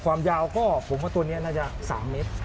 ความยาวก็ผมว่าตัวนี้น่าจะ๓เมตร